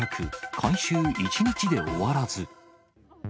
回収１日で終わらず。